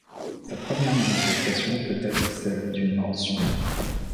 Sa première manifestation peut être celle d'une mort subite.